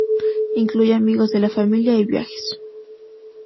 Incluye amigos de la familia y viajes.